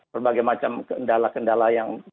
berbagai macam kendala kendala